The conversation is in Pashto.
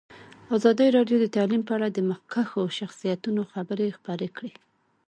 ازادي راډیو د تعلیم په اړه د مخکښو شخصیتونو خبرې خپرې کړي.